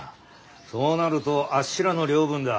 そうなるとあっしらの領分だ。